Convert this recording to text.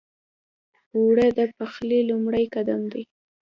اوړه د پخلي لومړی قدم دی